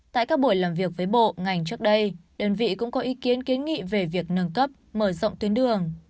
tại các buổi làm việc với bộ ngành trước đây đơn vị cũng có ý kiến kiến nghị về việc nâng cấp mở rộng tuyến đường